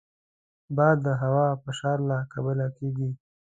باد د هوا فشار له کبله کېږي